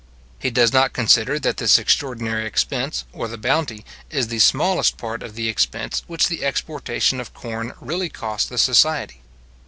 He does not consider that this extraordinary expense, or the bounty, is the smallest part of the expense which the exportation of corn really costs the society.